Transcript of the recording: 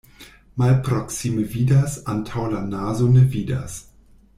Malproksime vidas, antaŭ la nazo ne vidas.